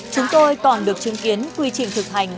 chúng tôi còn được chứng kiến quy trình thực hành